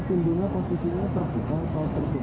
pintunya posisinya terbuka atau tertutup